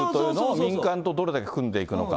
民間とどれだけ組んでいくのか。